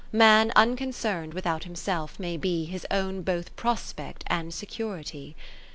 Man unconcern'd without himself may be His own both prospect and security.